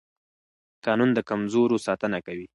قانون د کمزورو ساتنه کوي